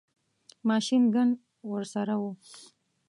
ماشین ګن ورسره وو.